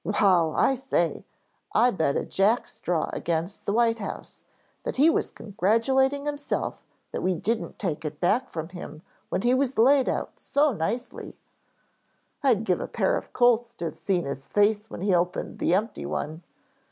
"Wow. I say, I bet a jack straw against the White House that he was congratulating himself that we didn't take it back from him when he was laid out so nicely " "I'd give a pair of colts to have seen his face when he opened the empty one.